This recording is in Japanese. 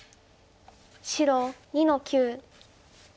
白２の九。